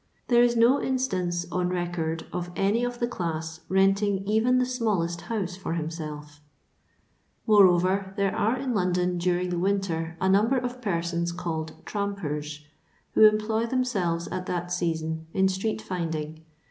There is no instance on record of any of the class renting even the smallest house for himselt Moreover there are in London daring the winter a number of persons called "trampers," who employ themselves at that season in street finding.